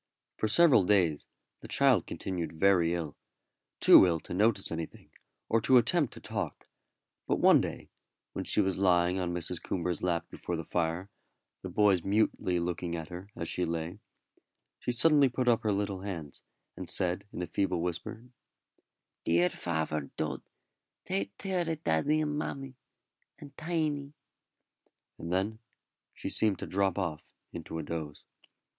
For several days the child continued very ill too ill to notice anything, or to attempt to talk; but one day, when she was lying on Mrs. Coomber's lap before the fire, the boys mutely looking at her as she lay, she suddenly put up her little hands, and said in a feeble whisper, "Dear faver Dod, tate tare o' daddy and mammy, and Tiny;" and then she seemed to drop off into a doze.